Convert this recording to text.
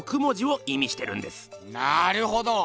なるほど！